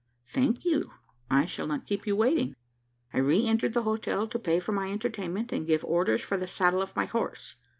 "Thank you: I shall not keep you waiting." I re entered the hotel to pay for my entertainment, and give orders for the saddling of my horse.